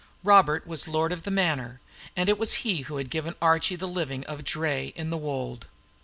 Robert was lord of the manor; and it was he who had given Archie the living of Draye in the Wold.